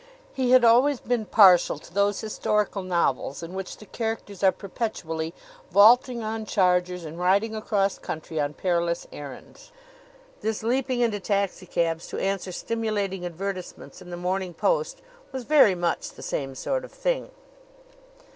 He had always been partial to those historical novels in which the characters are perpetually vaulting on chargers and riding across country on perilous errands. This leaping into taxicabs to answer stimulating advertisements in the Morning Post was very much the same sort of thing.